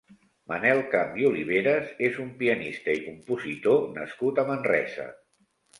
Manel Camp i Oliveras és un pianista i compositor nascut a Manresa.